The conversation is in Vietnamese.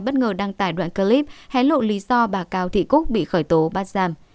bất ngờ đăng tải đoạn clip hé lộ lý do bà cao thị cúc bị khởi tố bắt giam